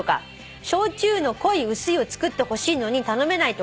「焼酎の濃い薄いを作ってほしいのに頼めないとか」